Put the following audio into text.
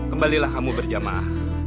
kembalilah kamu berjamaah